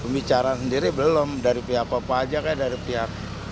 pembicaraan sendiri belum dari pihak pepajaknya dari pihak